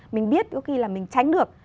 mình biết có khi là mình tránh được